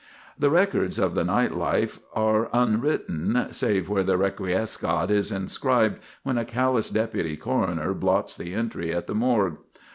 The records of the night life are unwritten, save where the requiescat is inscribed when a callous deputy coroner blots the entry at the morgue.